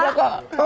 gak ada kok